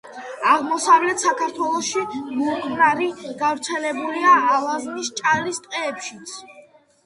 აღმოსავლეთ საქართველოში მურყნარი გავრცელებულია ალაზნის ჭალის ტყეებშიც.